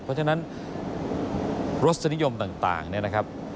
เพราะฉะนั้นรสชนิยมต่างนะครับ